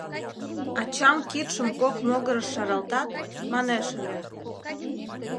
Ачам кидшым кок могырыш шаралтат, манеш ыле: